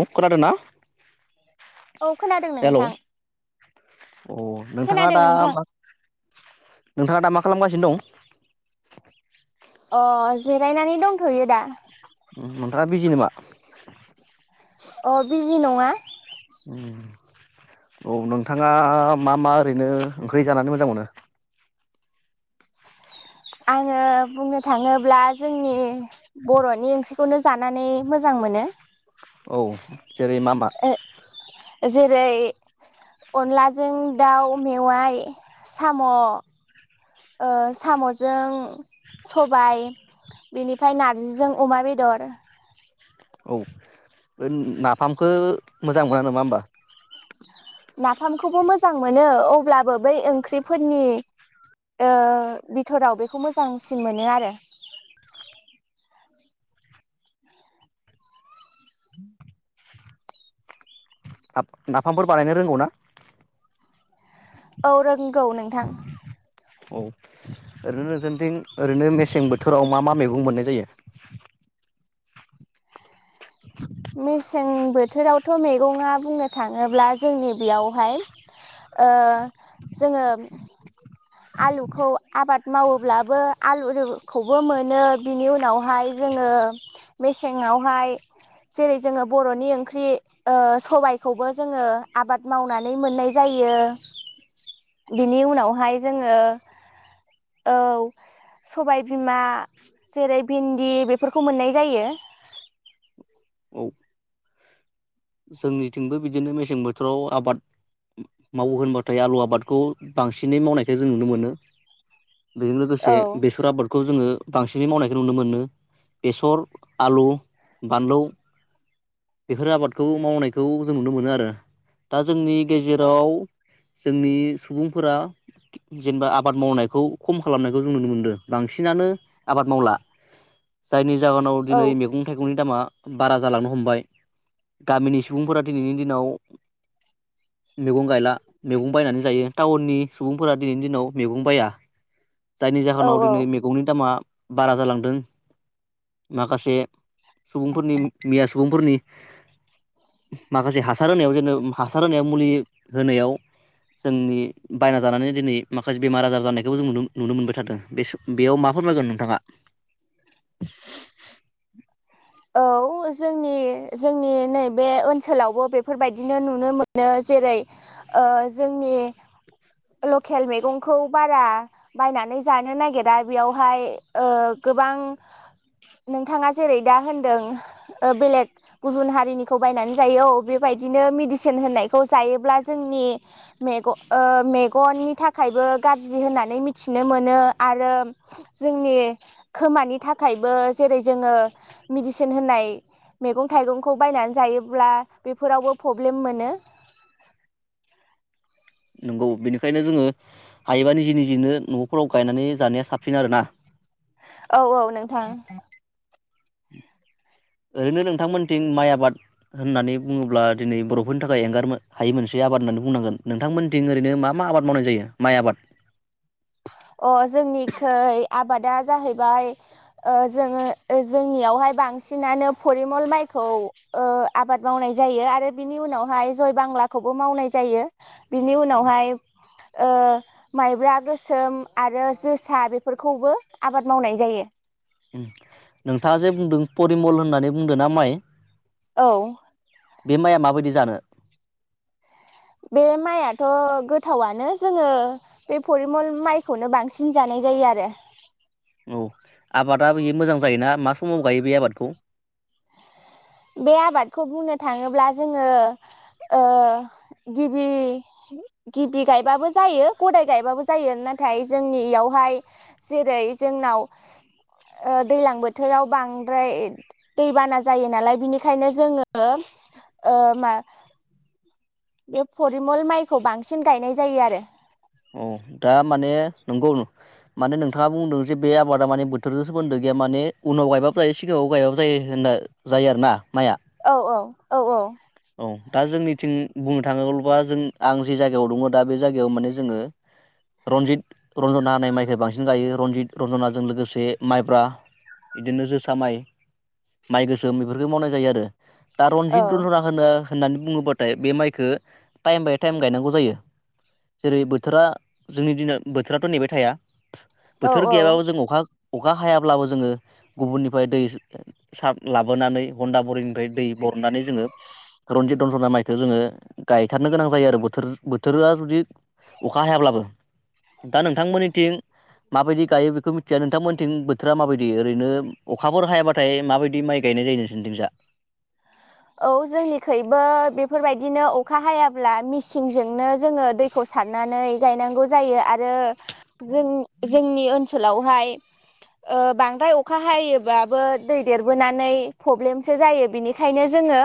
औ खोनादोंना? औ खोनादों नोंथां अ नोंथाङा खोनादों दा नोंथां मा नोंथाङा दा मा खालामगासिनो दं? अ जिरायनानै दंथयो दा। नोंथाङा बिजि नामा? अ बिजि जि नङा। उम औ नोंथाङा मा मा ओरैनो ओंख्रै जानानै मोजां मोनो? आङो बुंनो थाङोब्ला जोंनि बर'नि ओंख्रिखौनो जानानै मोजां मोनो। औ जेरै मा मा? जेरै अनलाजों दाउ मेवाइ साम' ओ सामजों सबाय बेनिफ्राय नारजिजों अमा बेदर औ बे नाफामखो मोजां मोना नामा होमबा? नाफामखौबो मोजां मोनो अब्लाबो बै ओंख्रिफोरनि ओ बिथराव बेखौ मोजांसिन मोनो आरो ना-नाफामफोर बानायनो रोंगौ ना? औ रोंगौ नोंथां औ ओरैनो नोंसोरनिथिं ओरैनो मेसें बोथोराव मा मा मैगं मोननाय जायो? मेसेंनि बोथोरावथ' मैगङा बुंनो थाङोब्ला जोंनि बेयावहाय ओ जोङो आलुखौ आबाद मावोब्लाबो आलुखौबो मोनो बिनि उनावहाय जोङो मेसेंआवहाय जेरै जोङो बरनि ओंख्रि ओ सबाइखौबो जोङो आबाद मावनानै मोननाय जायो। बिनि उनावहाय जोङो औ सबायबिमा जेरै भिन्दि बेफोरखौ मोन्नाय जायो। औ जोंनिथिंबो बिदिनो मेसें बोथोराव आबाद मावो होनबाथाय आलु आबादखौ बांसिनै मावनायखाय जों नुनो मोनो। बेजों औ लोगोसे बेसर आबादखौ जोङो बांसिनै मावनायखौ नुनो मोनो बेसर, आलु, बानलौ, बेफोर आबादखौ मावनायखौ जों नुनो मोनो आरो। दा जोंनि गेजेराव जोंनि सुबुंफोरा जेनेबा आबाद मावनायखौ खम खालामनायखौ जों नुनो मोन्दों बांसिनानो आबाद मावला। जायनि जाहोनाव औ दिनै मेगं थायगंनि दामा बारा जालांनो हमबाय गामिनि सुबुंफोरा दिनैनि दिनाव मेगं गायला। मेगं बायनानै जायो। टाउननि सुबुंफोरा दिनैनि दिनाव मेगं बाया। जायनि औ जाहोनाव औ दिनै मेगंनि दामा बारा जालांदों माखासे सुबुं फोरनि मिया सुबुंफोरनि माखासे हासार होनायाव जेन हासार होनायाव मुलि होनायाव जोंनि बायना जानानै दिनै माखासे बेमार आजार जानायखौ जों नुनो-नुनो मोनबाय थादों। बेयाव मा फोरमायगोन नोंथाङा? औ जोंनि जोंनि नै बे ओन्सोलावबो बेफोरबायदिनो नुनो मोनो जेरै ओ जोंनि लकेल मेगंखौ बारा बायनानै जानो नागिरा बेयावहाय ओ गोबां नोंथाङा जेरै दा होन्दों ओ बेलेग गुबुन हा हारिनिखौ बायनानै जायो औ बेबायदिनो मेडिसिन होनायखौ जायोब्ला जोंनि मेग-मेगननि थाखायबो गाज्रि होन्नानै मिथिनो मोनो आरो जोंनि खोमानि थाखायबो जेरै जोङो मेडिसिन होननाय मैगं थाइगंखौ बायनानै जायोब्ला बेफोरावबो प्रब्लेम मोनो‌। नंगौ बेनिखायनो जोङो हायोबा निजे निजिनो नफोराव गायनानै जानाया साबसिन आरोना। औ औ नोंथां। ओरैनो नोंथांमोन्थिं माइ आबाद होननानै बुङोब्ला दिनै बर'फोरनि थाखाय एंगार हायि मोनसे आबाद होन्नानै बुंनांगोन। नोंथांमोन्थिं ओरैनो मा मा आबाद मावनाय जायो माइ आबाद? अ जोंनिखै आबादा जाहैबाय ओ जोङो जोंनियावहाय बांसिनानो फरिमल माइखौ ओ आबाद मावनाय जायो आरो बिनि उनावहाय जयबांलाखौबो मावनाय जायो। बिनि उनावहाय ओ माइब्रा गोसोम, आरो जोसा बेफोरखौबो आबाद मावनाय जायो। नोंथाङा जे बुंदों परिमल होन्नानै बुंदो ना माइ औ। बे माइया माबायदि जानो? बे माइआथ गोथावानो जोङो बे फरिमल माइखौनो बांसिन जानाय जायो आरो। औ आबादा बेयो मोजां जायोना मास समाव गायो बे आबादखौ? बे आबादखौ बुंनो थाङोब्ला जोङो ओ गिबि गिबि गायबाबो जायो गदाय गायबाबो जायो नाथाय जोंनि इयावहाय जेरै जोंनाव ओ दैलां बोथोराव बांद्राय दैबाना जायो नालाय बिनिखायनो जोङो ओ मा बे फरिमल माइखौ बांसिन गायनाय जायो आरो। औ दा माने नंगौ माने नोंथाङा बुंदों जे बे आबादा माने बोथोरजों सोमोन्दो गैया माने उनाव गायबाबो जायो सिगाङाव गायबाबो जायो होन्ना जायो आरोना माइआ? औ औ औ औ। औ दा जोंनिथिं बुंनो थाङोब्लाबा जों आं जे जायगायाव दङ दा बे जायगायाव माने जोङो रनजित रन्जना होनाय माइख बांसिन गायो रनजित रन्जनाजों लोगोसे माइब्रा बिदिनो जोसा माइ माइ गोसोम बेफोरफोरखौ मावनाय जायो आरो। दा रनजित [unintelligible] होन्नानै बुङोबाथाय बे माइखो टाइम बाय टाइम गायनांगौ जायो जेरै बोथोरा जोंनि दिनाव बोथोराथ नेबाय थाया औ बोथोर औ गैयाबाबो जों अखा अखा हायाब्लाबो जोङो गुबुननिफ्राय दै सार लाबोनानै हन्दा बरिनिफ्राय दै बरनानै जोङो रनजित दनजना माइखौ जोङो गायथारनो गोनां जायो आरो बोथोर बोथोरा जुदि अखा हायाब्लाबो दा नोंथांमोननिथिं माबायदि गायो बेखौ मिथि या नोंथांमोनथिं बोथोरा माबायदि ओरैनो अखाफोर हायाबाथाय माबायदि माइ गायनाय जायो नोंसोरथिं जा? औ जोंनिखैबो बेफोरबायदिनो अखा हायाब्ला मिसिनजोंनो जोङो दैखौ सारनानै गायनांगौ जायो आरो जोंनि जोंनि ओन्सोलावहाय ओ बांद्राय अखा हायोबाबो दै देरबोनानै प्रब्लेमसो जायो। बेनिखायनो जोङो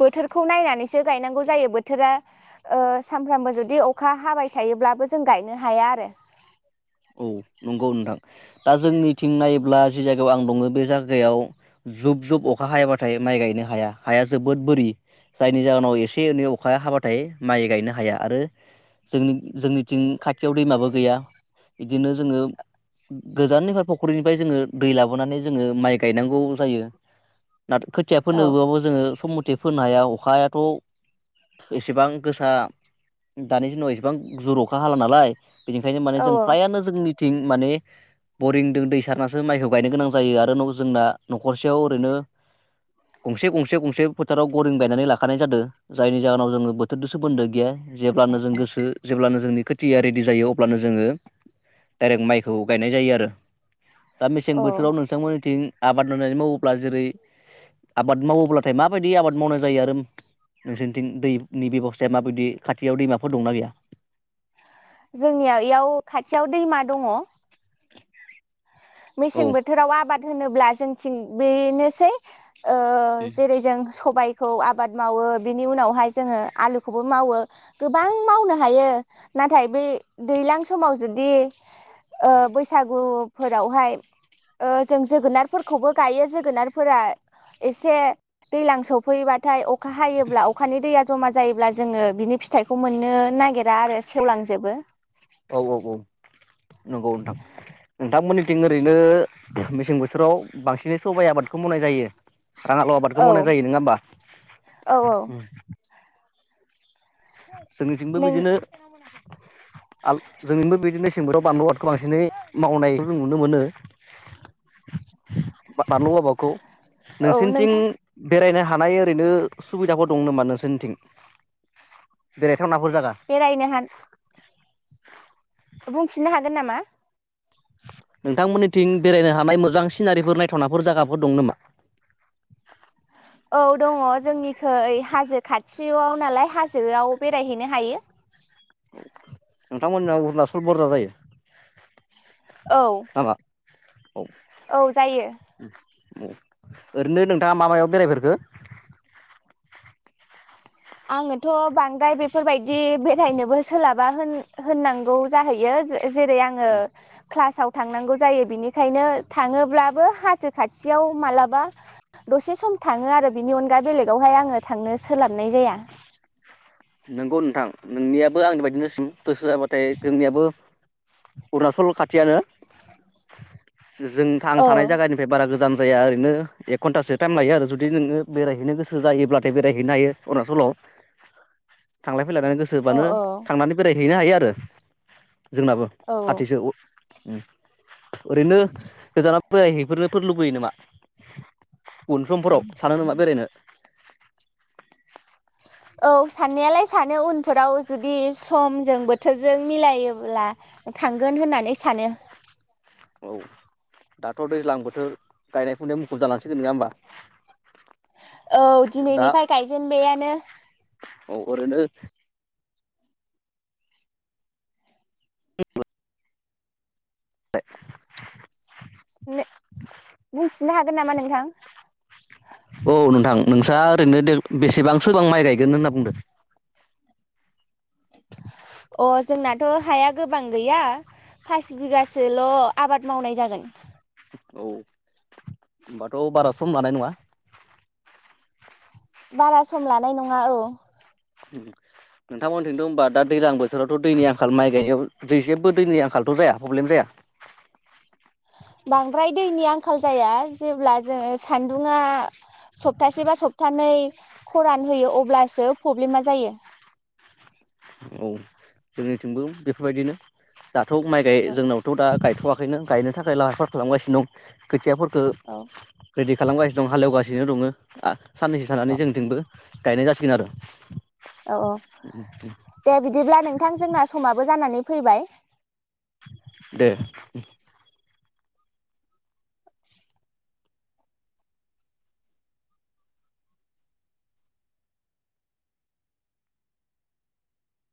बोथोरखौ नायनानैसो गायनांगौ जायो बोथोरा ओ सानफ्रामबो जुदि अखा हाबाय थायोब्लाबो जों गायनो हाया आरो औ नंगौ नोंथां दा जोंनिथिं नायोब्ला जि जायगायाव आं दङ बे जायगायाव जुब जुब अखा हायाबाथाय माइ गायनो हाया। हाया जोबोद बोरि जायनि जाहोनाव एसे एनै अखा हाब्लाथाय माइ गायनो हाया आरो जों जोंनिथिं खाथियाव दैमाबो गैया। बिदिनो जोङो गोजाननिफ्राय फख्रिनिफ्राय जोङो दै लाबोनानै जोङो माइ गायनांगौ जायो। नाथ खोथिया औ फनोबोबाबो जोङो सम मथे फोनो हाया अखायाथ' एसेबां गोसा दानि दिनाव एसेबां जुर अखा हाला नालाय। बिनिखायनो माने औ जों हायानो जोंनि थिं माने बरिंजों दै सारनासो माइखौ गायनो गोनां जायो आरो जोंना नखरसेयाव ओरैनो गंसे गंसे गंसे फोथाराव बरिं गायनानै लाखानाय जादों जायनि जाहोनाव जोङो बोथोरजों सोमोन्दो गैया जेब्लानो जों गोसो जेब्लानो जोंनि खोथिया रेडि जायो अब्लानो जोङो डाइरेक्ट माइखौ गायनाय जायो आरो दा मेसें औ बोथोराव नोंथांमोननिथिं आबाद मावनानै मावोब्ला जेरै आबाद मावोब्लाथाय माबायदि आबाद मावनाय जायो आरो नोंसोरनिथिं दैनि बेबस्थाया माबायदि खाथियाव दैमाफोर दंनाा गैया? जोंनिया एयाव खाथियाव दैमा दङ। औ मेसें बोथोराव आबाद होनोब्ला जोंथि बेनोसै ओ जेरै जों सबाय खौ आबाद मावो बिनि उनावहाय जोङो आलुखौबो मावो गोबां मावनो हायो नाथाय बै दैज्लां समाव जुदि बैसागु फोर रावहाय जों जोगोनारफोरखौबो गायो जोगोनारफोरा एसे दैज्लां सफैबाथाय अखा हायोब्ला अखानि दैया जमा जायोब्ला जोङो बिनि फिथाइखौ मोननो नागिरा आरो सेवलांजोबो। औ औ औ नंगौ नोंथां नोंथांमोननिथिं ओरैनो मेसें बोथोराव बांसिनै सबाइ आबादखौ मावनाय जायो? राङालाव आबादखौ औ मावनाय जायो नङा होमबा? औ औ जोंनिथिंबो नों बिदिनो आल जोंथिंबो बिदिनो मेसें बोथोराव बानलु आबादखौ बांसिनै मावनाय खौ जों नुनो मोनो बा-बानलु आबादखौ। औ नोंसिनिथिं नोंथां बेरायनो हानाय ओरैनो सुबिदाफोर दं नोमा नोंसोरनिथिं? बेेराय बेरायनो हान [inaudible] बुंफिननो हागोन नामा नोंथांमोननिथिं बेरायनो हानाय मोजां सिनारिफोर नायथावनाफोर जायगाफोर दं नामा? औ दङ जोंनिखै हाजो खाथियाव नालाय हाजोआव बेरायहैनो हायो। नोंथांमोना अरुनाचल बरदार जायो। औ। नामा औ औ जायो। ओरैनो नोंथाङा मा-मायाव बेरायफोरखो? आङोथ बांद्राय बेफोरबायदि बेरायनोबो सोलाबा होन-होननांगौ जाहैयो जे जेरै आङो। क्लासाव थांनांगौ जायो बिनिखायनो थाङोब्लाबो हासो खाथियाव मालाबा दसे सम थाङो आरो बिनि अनगा बेलेगावहाय आङो थांनो सोलाबनाय जाया। नंगौ नोंथां नोंनियाबो आंनि बायदिनोसिम। गोसो जाबाथाय जोंनियाबो।। अरुणाचल खाथियानो। जों थां औ थानाय जायगानिफ्राय बारा गोजान जाया ओरैनो एक घन्टासो टाइम लायो आरो जुदि नोङो बेरायहैनो गोसो जायोब्लाथाय बेरायहैनो हायो अरुणाचलाव थांलाय। फैलायनो गोसो औ बोबानो औ थांनानै बेराय हैनो हायोआरो जोंनाबो औ खाथिसो अ ओरैनो गोजानाव बेरायफोरनोफोर लुबैयो नामा उन समफोराव सानो नामा बेरायनो। औ साननायालाय सानो उनफोराव जुदि समजों बोथोरजों मिलायोब्ला थांगोन होननानै सानो। औ दाथ दैज्लां बोथोर गायनाय फुनाय मुखुब जालांसिगोन नङा होमबा। औ दा दिनैनिफ्राय गायजेनबैयानो। अरोनो [unintelligible] बाय [unintelligible] ने बुंफिननो हागोन नामा नोंथां औ नोंथां नोंस्रा ओरैनो दे बेसेबांसोबां माइ गायगोन होनना बुंदो? अ जोंनाथ हाया गोबां गैया फास बिगासोल आबाद मावनाय जागोन। औ होनबाथ बारा सम लानाय नङा। बारा सम लानाय नङा औ नोंथांमोनथिंथ होनबा दा दैज्लां बोथोरावथ दैनि आंखाल माइ गायनायाव दै जेबो दैनि आंखालथ जाया प्रब्लेम जाया? बांद्राय दैनि आं खाल जाया जेब्ला जोङो सान्दुङा सप्तासे बा सप्तानै खरान होयो अब्लासो प्रब्लेमा जायो। औ जोंनिथिंबो बेफोरबायदिनो। दाथ माइ गाय औ जोंनावथ दा गाय थआखैनो गायनो थाखाय लाहार फाहार खालामगासिनो दं खोथियाफोर ओ। औ रेडि खालामगासिनो दं हालेवगासिनो दङो। साननैसो थानानै औ जोंनि थिंबो गायनाय जासिगोन आरो। औ औ उम उम। दे बिदिब्ला नोंथां जोंना समाबो जानानै फैबाय। दे।